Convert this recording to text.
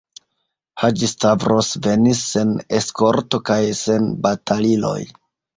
Haĝi-Stavros venis, sen eskorto kaj sen bataliloj.